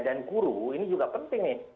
dan guru ini juga penting nih